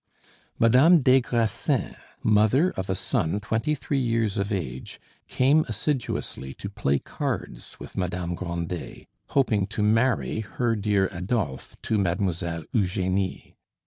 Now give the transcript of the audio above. Madame des Grassins, mother of a son twenty three years of age, came assiduously to play cards with Madame Grandet, hoping to marry her dear Adolphe to Mademoiselle Eugenie.